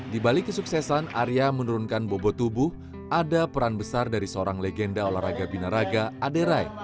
di balik kesuksesan arya menurunkan bobot tubuh ada peran besar dari seorang legenda olahraga binaraga aderai